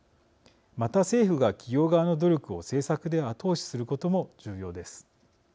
また、政府が企業側の努力を政策で後押しすることも重要です。